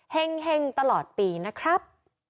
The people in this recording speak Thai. เห็งตลอดปีนะครับ